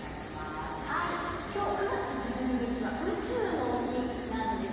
今日９月１２日は宇宙の日なんです。